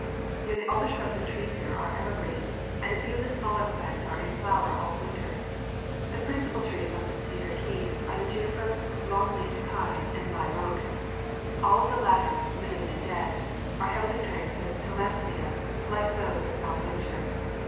Nearly all the shrubs and trees here are ever green, and a few of the smaller plants are in flower all winter. The principal trees on this Cedar Key are the juniper, long leafed pine, and live oak. All of the latter, living and dead, are heavily draped with tillandsia, like those of Bonaventure.